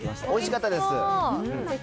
おいしかったです。